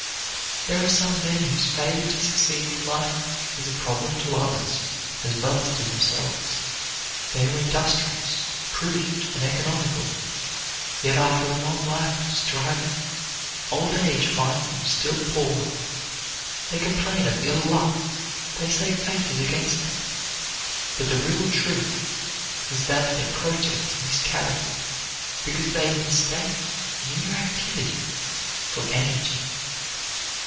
There are some men whose failure to succeed in life is a problem to others, as well as to themselves. They are industrious, prudent, and economical; yet after a long life of striving, old age finds them still poor. They complain of ill luck, they say fate is against them. But the real truth is that their projects miscarry, because they mistake mere activity for energy.